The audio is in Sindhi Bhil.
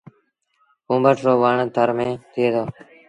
ڪُونڀٽ رو وڻ ٿر ميݩ ٿئي دو۔